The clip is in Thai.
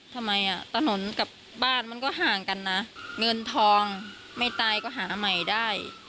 ทำไมอ่ะถนนกับบ้านมันก็ห่างกันนะเงินทองไม่ตายก็หาใหม่ได้